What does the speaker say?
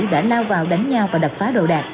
đã lao vào đánh nhau và đập phá đồ đạc